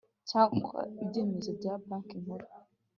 cyangwa ibyemezo bya banki nkuru